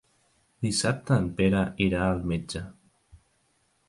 Dissabte en Pere irà al metge.